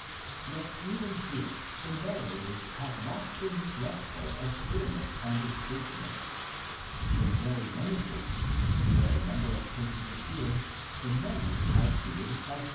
Yet even here the narrators have not been neglectful of clear ness and distinctness. In very many cases where a number of persons appear, the many are treated as 60 THE LEGENDS OF GENESIS.